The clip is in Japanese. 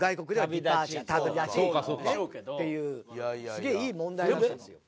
すげえいい問題だったんですよ。